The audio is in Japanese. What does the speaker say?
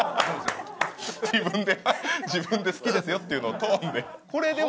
自分で自分で好きですよっていうのをトーンで。